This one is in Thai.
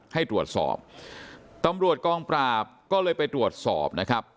ให้ตรวจสอบตำรวจกองปราบก็เลยไปตรวจสอบนะครับ